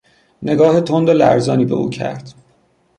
نگاه تند و لرزانی به او کرد.